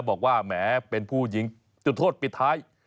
บอกว่าแหมเป็นผู้หญิงจุดโทษปิดท้าย